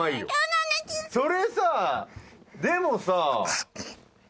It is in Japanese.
それさでもさ。